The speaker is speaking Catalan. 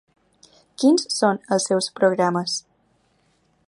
Quins són els seus programes?